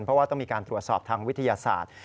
เพราะว่าต้องมีการตรวจสอบทางวิทยาศาสตร์